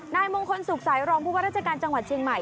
นายมงคลสุขสายรองพุพระราชการจังหวัดเชียงใหม่